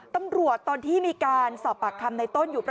แล้วเอามาขายแล้วมันติดไหม